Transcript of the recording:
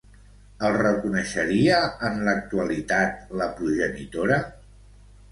El reconeixeria en l'actualitat, la progenitora?